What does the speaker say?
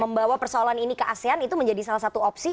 membawa persoalan ini ke asean itu menjadi salah satu opsi